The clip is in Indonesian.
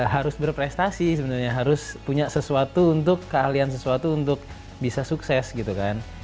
harus berprestasi sebenarnya harus punya sesuatu untuk keahlian sesuatu untuk bisa sukses gitu kan